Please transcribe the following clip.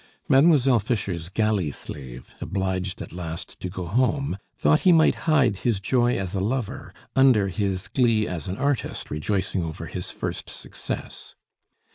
Mademoiselle Fischer's galley slave, obliged at last to go home, thought he might hide his joy as a lover under his glee as an artist rejoicing over his first success.